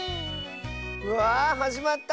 うわあはじまった。